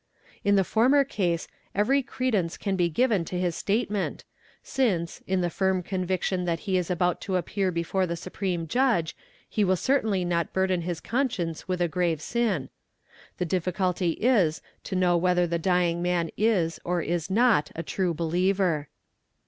In the former case every credence 'can be given to his statement, since, in the firm conviction that he is "about to appear before the supreme judge, he will certainly not burden his conscience with a grave sin. The difficulty is to know whether the | dying man is or is not a true believer.